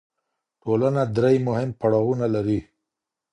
ټولنه درې مهم پړاوونه لري.